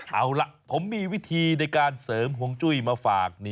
เอาล่ะผมมีวิธีในการเสริมห่วงจุ้ยมาฝาก